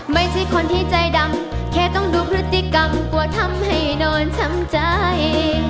ไม่ใช่คนที่ใจดำแค่ต้องดูพฤติกรรมกลัวทำให้นอนช้ำใจ